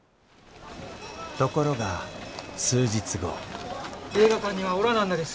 ところが数日後映画館にはおらなんだです。